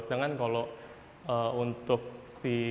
sedangkan kalau untuk si